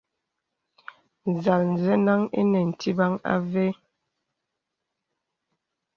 Nzāl zənəŋ ìnə tibaŋ àvé.